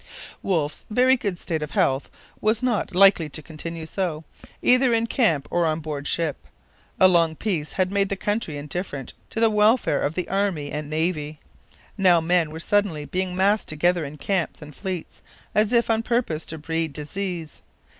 Wolfe's 'very good state of health' was not 'likely to continue so,' either in camp or on board ship. A long peace had made the country indifferent to the welfare of the Army and Navy. Now men were suddenly being massed together in camps and fleets as if on Purpose to breed disease.